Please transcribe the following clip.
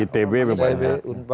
di itb bapak